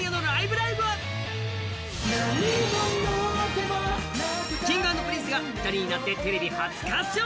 ライブ！」はＫｉｎｇ＆Ｐｒｉｎｃｅが２人になってテレビ初歌唱。